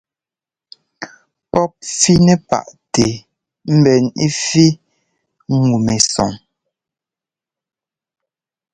Pɔ́p fínɛ́ paʼtɛ mbɛ́n ɛ́fí ŋu mɛsɔng.